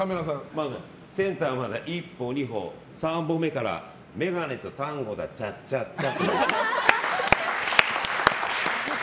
センターまで一歩、二歩、三歩目からメガネとタンゴがチャッチャッチャ。